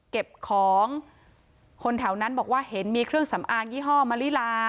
เก็บของคนแถวนั้นบอกว่าเห็นมีเครื่องสำอางยี่ห้อมะลิลา